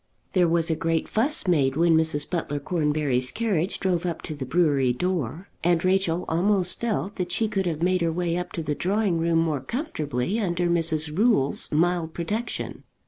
There was a great fuss made when Mrs. Butler Cornbury's carriage drove up to the brewery door, and Rachel almost felt that she could have made her way up to the drawing room more comfortably under Mrs. Rule's mild protection.